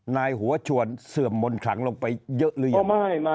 นายหัวชวนเสื่อมมนต์ขลังลงไปเยอะหรือยัง